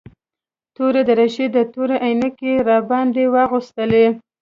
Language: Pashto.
توره دريشي او تورې عينکې يې راباندې واغوستلې.